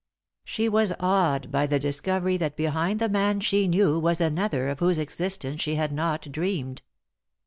She was awed by the discovery that behind the man she knew was another of whose existence she had not dreamed.